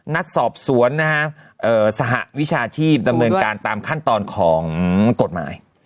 นักสอบสวนนะฮะสหวิชาชีพดำเนินการตามขั้นตอนของกฎหมาย